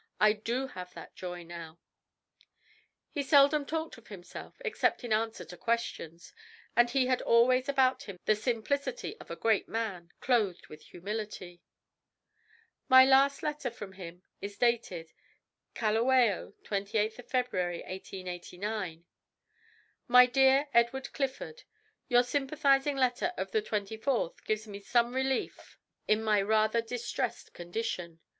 I DO have that joy now." He seldom talked of himself except in answer to questions, and he had always about him the simplicity of a great man "clothed with humility." My last letter from him is dated: "KALAWAO, 28th February, 1889. "My DEAR EDWARD CLIFFORD Your sympathising letter of 24th gives me some relief in my rather distressed condition.